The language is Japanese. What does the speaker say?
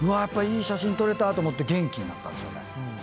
やっぱいい写真撮れたと思って元気になったんですよね。